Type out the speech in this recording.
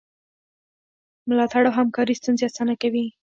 ملاتړ او همکاري ستونزې اسانه کوي.